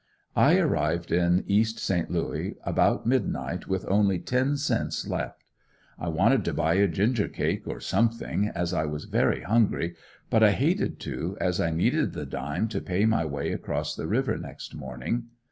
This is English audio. I arrived in East Saint Louis about midnight with only ten cents left. I wanted to buy a ginger cake or something, as I was very hungry, but hated to as I needed the dime to pay my way across the river next morning.